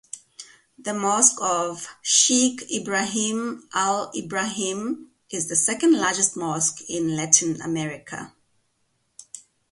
The Mosque of Sheikh Ibrahim Al-Ibrahim is the second largest mosque in Latin America.